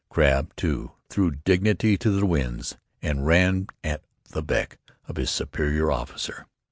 Crabb, too, threw dignity to the winds, and ran at the beck of his superior officer.